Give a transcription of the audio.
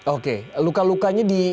oke luka lukanya di